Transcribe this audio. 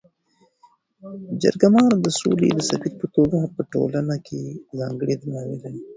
جرګه مار د سولي د سفیر په توګه په ټولنه کي ځانګړی درناوی لري.